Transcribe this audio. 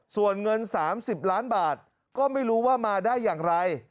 ส่วนเงิน๓๐ล้านบาทก็ไม่รู้ว่ามาได้อย่างไร